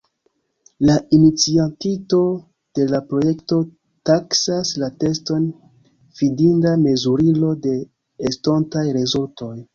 La iniciatinto de la projekto taksas la teston fidinda mezurilo de estontaj rezultoj.